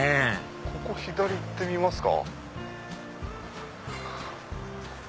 ここ左行ってみますか。